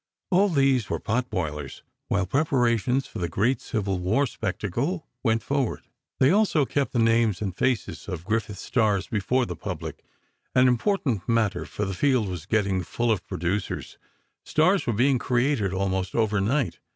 All these were pot boilers, while preparations for the great Civil War spectacle went forward. They also kept the names and faces of Griffith's stars before the public—an important matter, for the field was getting full of producers—stars were being created almost overnight.